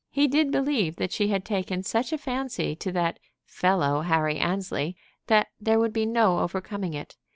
He did believe that she had taken such a fancy to that "fellow Harry Annesley" that there would be no overcoming it.